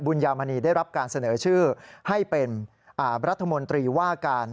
ยามณีได้รับการเสนอชื่อให้เป็นรัฐมนตรีว่าการ